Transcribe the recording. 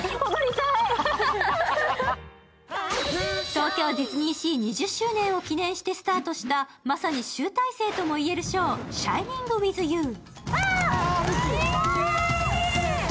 東京ディズニーシー２０周年を記念してスタートしたまさに集大成とも言えるショー、シャイニング・ウィズ・ユー。